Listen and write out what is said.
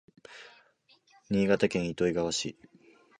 新潟県糸魚川市